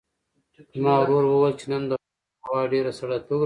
زما ورور وویل چې نن د غره هوا ډېره سړه ده.